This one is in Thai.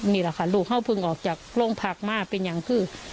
นี่แหละค่ะลูกเขาเพิ่งออกจากโรงพักมาเป็นอย่างคือ